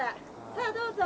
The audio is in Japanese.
さあどうぞ。